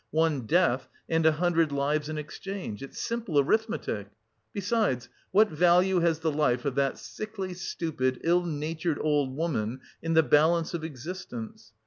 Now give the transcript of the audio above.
One death, and a hundred lives in exchange it's simple arithmetic! Besides, what value has the life of that sickly, stupid, ill natured old woman in the balance of existence!